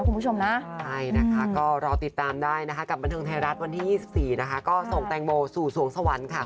คุณผู้ชมนะใช่นะคะก็รอติดตามได้นะคะกับบันเทิงไทยรัฐวันที่๒๔นะคะก็ส่งแตงโมสู่สวงสวรรค์ค่ะ